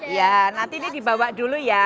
iya nanti ini dibawa dulu ya